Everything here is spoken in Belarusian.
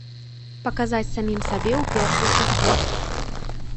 Паказаць самым сабе ў першую чаргу.